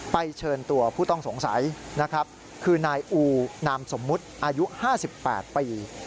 เชิญตัวผู้ต้องสงสัยนะครับคือนายอูนามสมมุติอายุ๕๘ปี